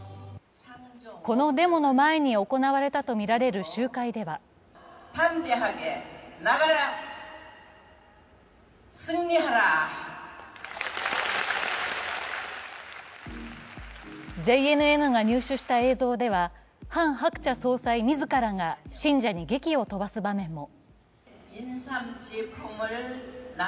このデモの前に行われたとみられる集会ではＪＮＮが入手した映像ではハン・ハクチャ総裁自らが信者に、げきを飛ばす場面も。